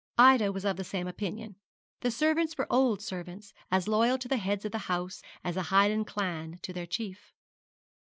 Ida was of the same opinion. The servants were old servants, as loyal to the heads of the house as a highland clan to their chief.